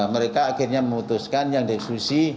mereka akhirnya memutuskan yang di eksekusi